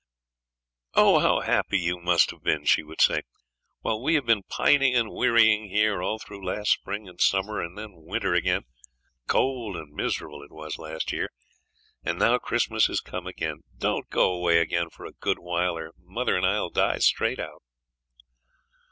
'Oh! how happy you must have been!' she would say, 'while we have been pining and wearying here, all through last spring and summer, and then winter again cold and miserable it was last year; and now Christmas has come again. Don't go away again for a good while, or mother and I'll die straight out.'